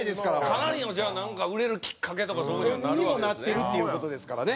かなりのじゃあなんか売れるきっかけとか。にもなってるっていう事ですからね。